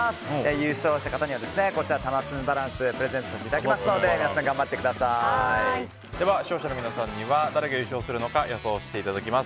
優勝した方にはたまつむバランスプレゼントさせていただきますので視聴者の皆さんには誰が優勝するのか予想していただきます。